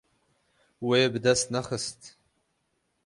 Wê bi dest nexist.